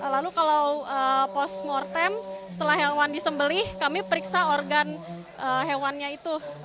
lalu kalau postmortem setelah hewan disembelih kami periksa organ hewannya itu